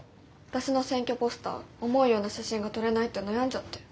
私の選挙ポスター思うような写真が撮れないって悩んじゃって。